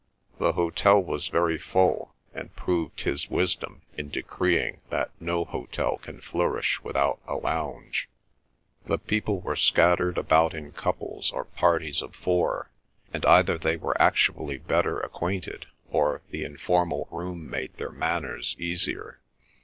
The hotel was very full, and proved his wisdom in decreeing that no hotel can flourish without a lounge. The people were scattered about in couples or parties of four, and either they were actually better acquainted, or the informal room made their manners easier.